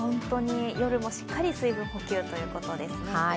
夜もしっかり水分補給ということですね。